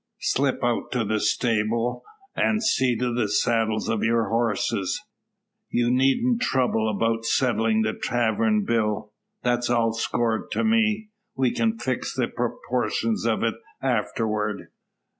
Slip out to the stable, an' see to the saddles of your horses. You needn't trouble about settlin' the tavern bill. That's all scored to me; we kin fix the proportions of it afterward.